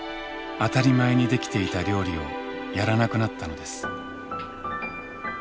当たり前にできていた料理をやらなくなったのです。